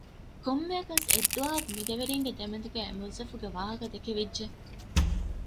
ކޮންމެއަކަސް އެއްދުވަހަކު މި ދެ ވެރިންގެ ދެމެދުގައި އެ މުވައްޒަފުގެ ވާހަކަ ދެކެވިއްޖެ